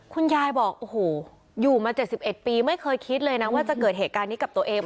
คุณยายบอกโอ้โหอยู่มา๗๑ปีไม่เคยคิดเลยนะว่าจะเกิดเหตุการณ์นี้กับตัวเอง